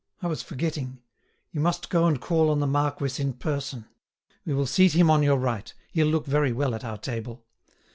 I was forgetting; you must go and call on the marquis in person; we will seat him on your right; he'll look very well at our table.